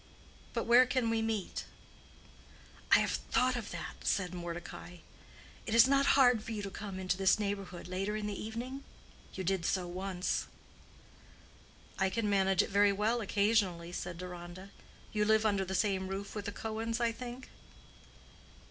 But where can we meet?" "I have thought of that," said Mordecai. "It is not hard for you to come into this neighborhood later in the evening? You did so once." "I can manage it very well occasionally," said Deronda. "You live under the same roof with the Cohens, I think?"